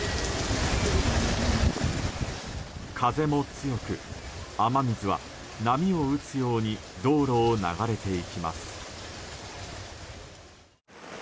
風も強く、雨水は波を打つように道路を流れていきます。